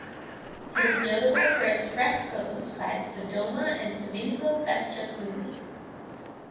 It is notable for its frescoes by Sodoma and Domenico Beccafumi.